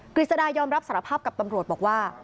กฤษดายอมรับสารภาพกับตำรวจบอกว่า